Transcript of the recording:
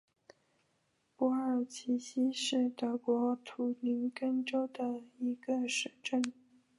珀尔齐希是德国图林根州的一个市镇。